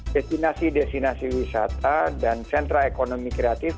destinasi destinasi wisata dan sentra ekonomi kreatif